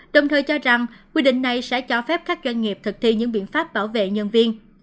đồng thời cho rằng quy định này sẽ cho phép các doanh nghiệp thực thi những biện pháp bảo vệ nhân viên